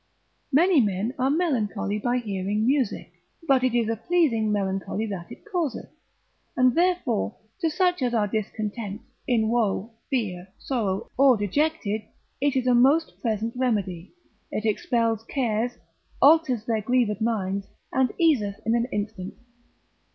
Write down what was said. Many men are melancholy by hearing music, but it is a pleasing melancholy that it causeth; and therefore to such as are discontent, in woe, fear, sorrow, or dejected, it is a most present remedy: it expels cares, alters their grieved minds, and easeth in an instant.